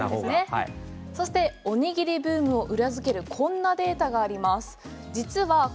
そしておにぎりブームを裏付けるこんなデータがあります。